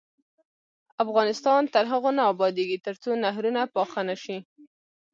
افغانستان تر هغو نه ابادیږي، ترڅو نهرونه پاخه نشي.